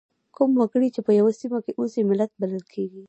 کوم وګړي چې په یوه سیمه کې اوسي ملت بلل کیږي.